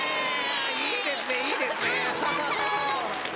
いいですねいいですね。